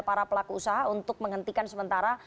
para pelaku usaha untuk menghentikan sementara